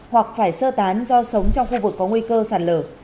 hoặc phải sơ tán do sống trong khu vực có nguy cơ sạt lở